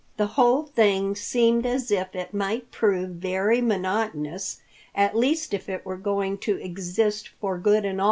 The whole thing seemed as if it might prove very monotonous, at least if it were going to exist for good and all.